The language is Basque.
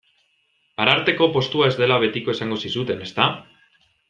Ararteko postua ez dela betiko esango zizuten, ezta?